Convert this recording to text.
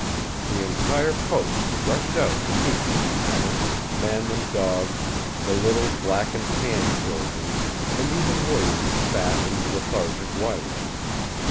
The entire post rushed out to meet the new comer men and dogs, the little black and tan children, and even Williams' fat and lethargic wife.